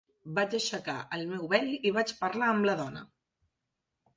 Vaig aixecar el meu vel i vaig parlar amb la dona.